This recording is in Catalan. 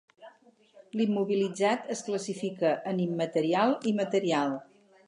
L'immobilitzat es classifica en immaterial i material.